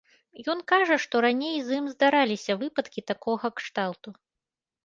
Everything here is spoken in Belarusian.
Ён кажа, што раней з ім здараліся выпадкі такога кшталту.